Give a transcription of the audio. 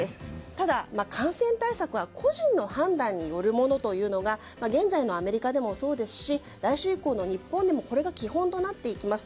ただ、感染対策は個人の判断によるものというのが現在のアメリカでもそうですし来週以降の日本でもこれが基本となっていきます。